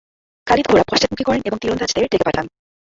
খালিদ ঘোড়া পশ্চাৎমুখী করেন এবং তীরন্দাজদের ডেকে পাঠান।